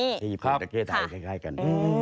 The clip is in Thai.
จักรแข้ญี่ปุ่นจักรแข้ไทยคล้ายกัน